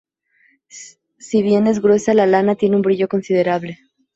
Si bien es gruesa, la lana tiene un brillo considerable.